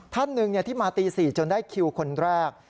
ท่านหนึ่งที่มาตี๔จนได้คิวคนแรก